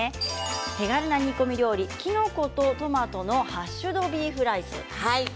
手軽な煮込み料理きのことトマトのハッシュドビーフライスですね。